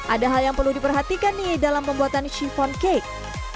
ada hal yang perlu diperhatikan nih dalam pembuatan chiphone cake